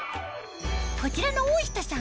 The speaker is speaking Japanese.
こちらの大下さん